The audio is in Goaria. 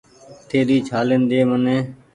ٿهلي ڇهآلين ۮي مني